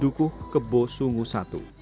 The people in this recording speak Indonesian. dukuh kebo sunggu i